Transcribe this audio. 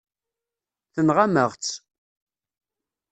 Tenɣam-aɣ-tt.